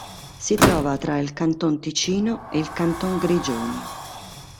Si trova tra il Canton Ticino ed il Canton Grigioni.